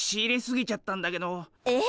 えっ？